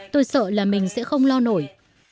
tôi sợ là mình sẽ không lo nổi